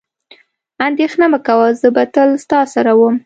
اندېښنه مه کوه، زه به تل ستا سره وم.